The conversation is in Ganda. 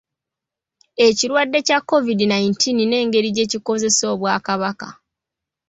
Ekirwadde kya COVID nineteen n'engeri gye kikosezza Obwakabaka